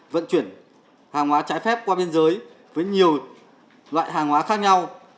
vận chuyển hàng hóa trái phép qua biên giới với nhiều loại hàng hóa khác nhau